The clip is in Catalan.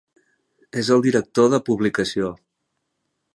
És el director de publicació.